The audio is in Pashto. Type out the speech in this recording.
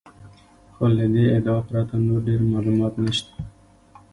خو له دې ادعا پرته نور ډېر معلومات نشته.